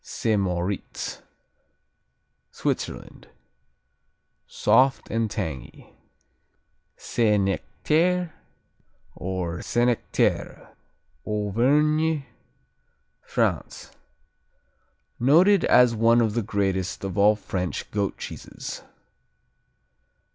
Saint Moritz Switzerland Soft and tangy. Saint Nectaire, or Senecterre Auvergne, France Noted as one of the greatest of all French goat cheeses.